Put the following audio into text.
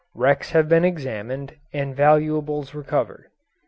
Wrecks have been examined and valuables recovered.